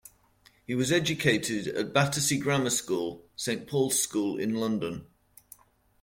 He was educated at Battersea Grammar School, Saint Paul's School in London.